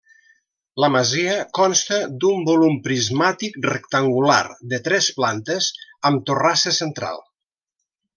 La masia consta d'un volum prismàtic rectangular de tres plantes amb torrassa central.